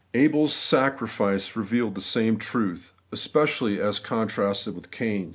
Abel's sacrifice revealed the same truth, especially as contrasted with Cain's.